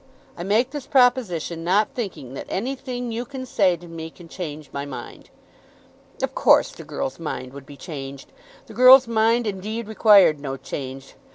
"I make this proposition not thinking that anything you can say to me can change my mind." Of course the girl's mind would be changed. The girl's mind, indeed, required no change. Mrs.